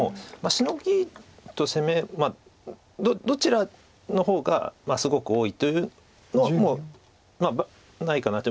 シノギと攻めどちらの方がすごく多いというのはもうないかなと。